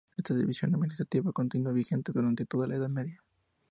Esta división administrativa continúa vigente durante toda la Edad Media.